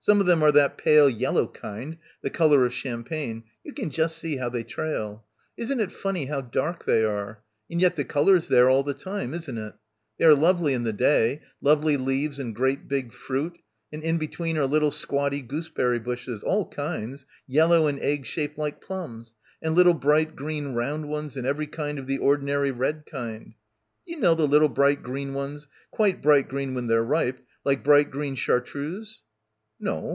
"Some of them are that pale yellow kind, the colour of champagne. You can just see how they trail. Isn't it funny how dark they are, and yet the colour's there all the time, isn't it? They are lovely in the day, lovely leaves and great big fruit, and in between are little squatty goose berry bushes, all kinds, yellow and egg shaped like plums, and little bright green round ones and every kind of the ordinary red kind. Do you know the little bright green ones, quite bright green when they're ripe, like bright green chartreuse?" "No.